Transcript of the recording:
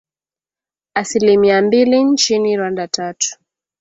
asilimia mbilinchini Rwanda tatu